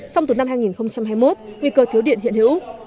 sông tuần năm hai nghìn hai mươi một nguy cơ thiếu điện hiện hữu